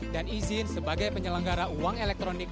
dan izin sebagai penyelenggara uang elektronik